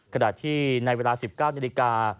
ขณะที่ในเวลา๑๙นาฬิกา